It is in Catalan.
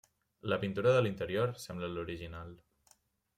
La pintura de l'interior sembla l'original.